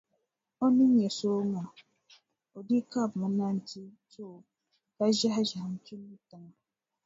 O ni nya sooŋa, o dii kabimi na nti to o ka ʒɛhiʒɛhi nti lu tiŋa.